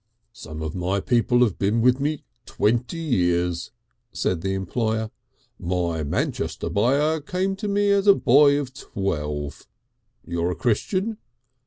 "Some of my people have been with me twenty years," said the employer. "My Manchester buyer came to me as a boy of twelve. You're a Christian?"